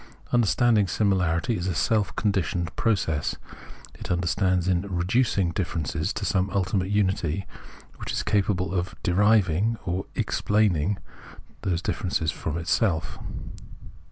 Understanding similarly is a self conditioned process; it consists in "reducing" differences to some ultimate unity, which is capable of " deriving " or " e. tplaining " those differences from itself.